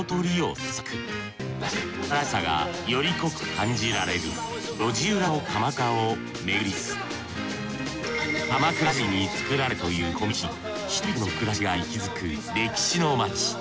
鎌倉らしさがより濃く感じられる路地裏の鎌倉を巡ります鎌倉時代に作られたという小道に人々の暮らしが息づく歴史の街。